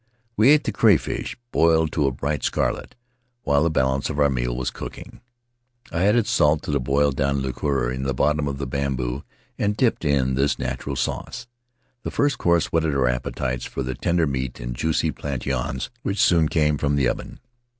We ate the crayfish — boiled to a bright scarlet — while the balance of our meal was cooking. I added salt to the boiled down liquor in the bottom of the bamboo, and dipped in this natural sauce. The first course whetted our appetites for the tender meat and juicy plantains which soon came from the oven.